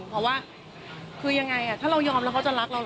เพราะว่าคือยังไงถ้าเรายอมแล้วเขาจะรักเรา